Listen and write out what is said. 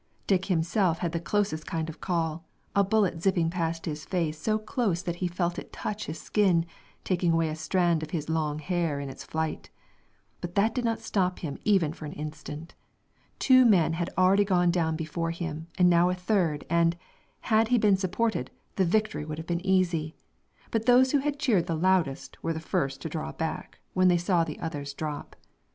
Dick himself had the closest kind of a call, a bullet zipping past his face so close that he felt it touch his skin, taking away a strand of his long hair in its flight. But that did not stop him even for an instant. Two men had already gone down before him, and now a third, and, had he been supported, the victory would have been easy; but those who had cheered the loudest were the first to draw back, when they saw the others drop.